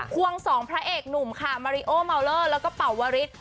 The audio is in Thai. วงสองพระเอกหนุ่มค่ะมาริโอเมาเลอร์แล้วก็เป่าวริส